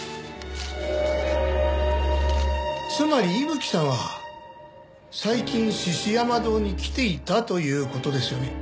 つまり伊吹さんは最近獅子山堂に来ていたという事ですよね。